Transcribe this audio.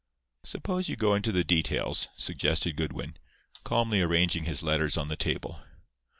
"Suppose you go into the details," suggested Goodwin, calmly arranging his letters on the table.